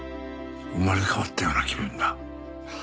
生まれ変わったような気分だ。